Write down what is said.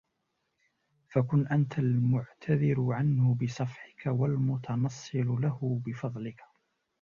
فَكُنْ أَنْتَ الْمُعْتَذِرُ عَنْهُ بِصَفْحِك وَالْمُتَنَصِّلُ لَهُ بِفَضْلِك